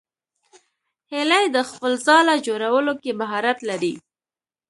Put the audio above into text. هیلۍ د خپل ځاله جوړولو کې مهارت لري